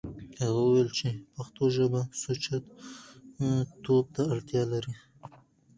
هغه وويل چې پښتو ژبه سوچه توب ته اړتيا لري.